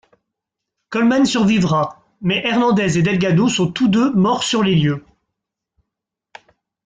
Coleman survivra; mais Hernandez et Delgado sont tous deux morts sur les lieux.